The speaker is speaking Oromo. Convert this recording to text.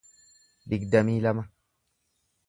digdamii lama